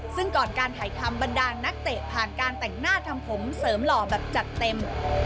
ซึ่งก่อนการถ่ายทำบรรดาลนักเตะผ่านการแต่งหน้าทำผมเสริมหล่อแบบจัดเต็ม